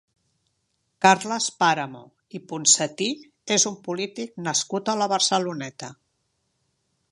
Carles Pàramo i Ponsetí és un polític nascut a la Barceloneta.